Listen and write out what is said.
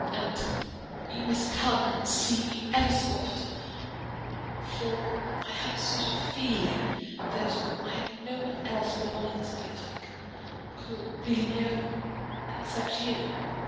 And you must come and see me ever so often; for I have a sort of feeling that I have no one else belonging to me that I can call really my own, except you.